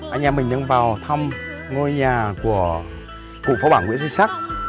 anh em mình đang vào thăm ngôi nhà của cụ pháu bảng nguyễn xuân sắc